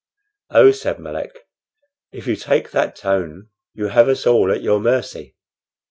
"Oh," said Melick, "if you take that tone, you have us all at your mercy.